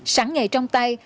sáng nghề trong tay